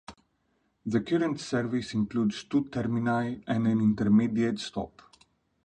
The current service includes two termini and an intermediate stop.